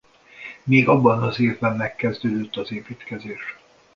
Még abban az évben megkezdődött az építkezés.